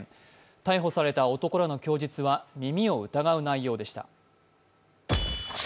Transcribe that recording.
逮捕された男らの供述は、耳を疑う内容でした。